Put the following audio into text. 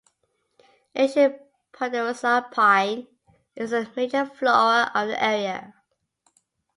Ancient ponderosa pine is the major flora of the area.